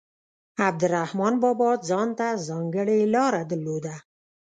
عبدالرحمان بابا ځانته ځانګړې لاره درلوده.